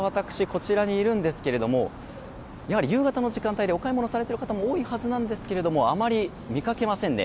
こちらにいるんですけどもやはり夕方の時間帯でお買い物をされる方も多いはずなんですがあまり見かけませんね。